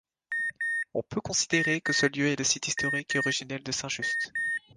On peut considérer que ce lieu est le site historique et originel de Saint-Just.